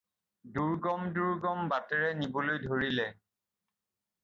দুৰ্গম দুৰ্গম বাটেৰে নিবলৈ ধৰিলে।